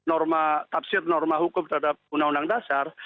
dan antara putusan mk sebagai sebuah tafsir norma hukum terhadap undang undang dasar